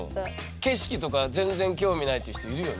景色とか全然興味ないっていう人いるよね。